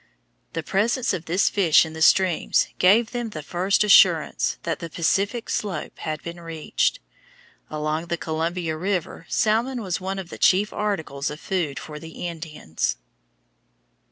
The presence of this fish in the streams gave them the first assurance that the Pacific slope had been reached. Along the Columbia River salmon was one of the chief articles of food for the Indians.